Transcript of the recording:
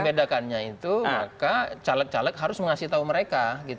kalau calon presiden itu calon presiden yang lebih caleg harus mengasih tau mereka